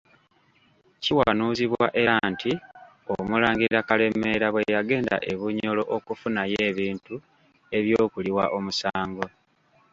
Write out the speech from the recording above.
Kiwanuuzibwa era nti Omulangira Kalemeera bwe yagenda e Bunyoro okufunayo ebintu eby'okuliwa omusango.